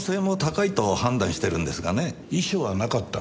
遺書はなかった。